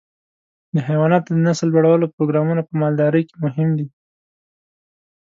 د حيواناتو د نسل لوړولو پروګرامونه په مالدارۍ کې مهم دي.